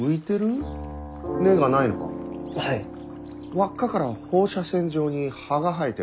輪っかから放射線状に葉が生えてる。